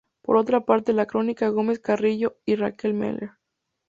Por otra parte, la crónica “Gómez Carrillo y Raquel Meller.